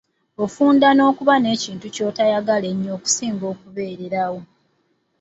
Ofunda okuba n’ekintu ky’otoyagala nnyo okusinga okubeererawo.